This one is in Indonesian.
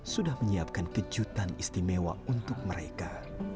sudah menyiapkan kejutan istimewa untuk mereka